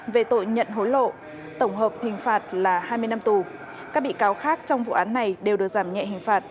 về tội nhận hối lộ tổng hợp hình phạt là hai mươi năm tù các bị cáo khác trong vụ án này đều được giảm nhẹ hình phạt